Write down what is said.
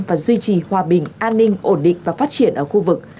và duy trì hòa bình an ninh ổn định và phát triển ở khu vực